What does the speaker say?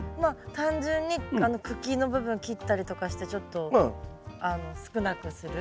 単純に茎の部分切ったりとかしてちょっと少なくする？